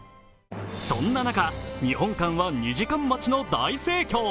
そんな中、日本館は２時間待ちの大盛況。